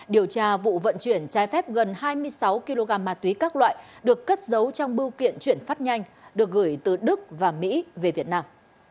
điều tra vụ vận chuyển trái phép gần hai mươi sáu kg ma túy các loại được cất giấu trong bưu kiện chuyển phát nhanh được gửi từ đức và mỹ về việt nam